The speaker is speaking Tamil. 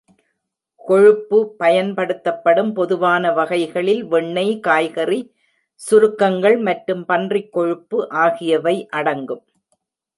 கொழுப்பு பயன்படுத்தப்படும் பொதுவான வகைகளில் வெண்ணெய், காய்கறி சுருக்கங்கள் மற்றும் பன்றிக்கொழுப்பு ஆகியவை அடங்கும்.